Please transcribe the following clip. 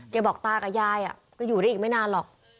บอกตากับยายก็อยู่ได้อีกไม่นานหรอก